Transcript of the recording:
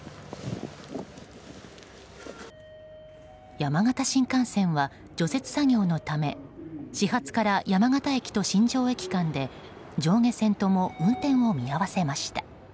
山形新幹線は除雪作業のため始発から山形駅と新庄駅間で上下線とも運転を見合わせました。